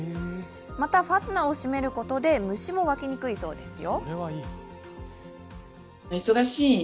また、ファスナーを閉めることで虫もわきにくいそうですよ。